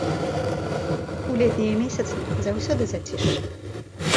У летнія месяцы заўсёды зацішша.